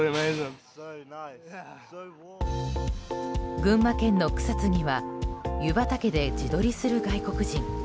群馬県の草津には湯畑で自撮りする外国人。